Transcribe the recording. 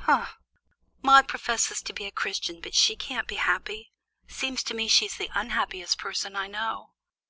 "Humph! Maude professes to be a Christian, but she can't be happy. Seems to me she's the unhappiest person I know.